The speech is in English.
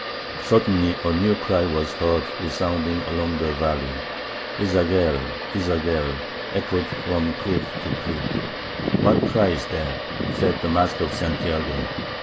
Suddenly a new cry was heard resounding along the valley. Ez Zagel! Ez Zagel! echoed from cliff to cliff. 'What cry is that?' said the master of Santiago.